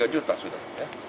sembilan tiga juta sudah